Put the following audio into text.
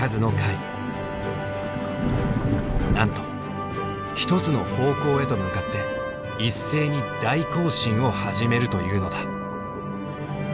なんと一つの方向へと向かって一斉に大行進を始めるというのだ。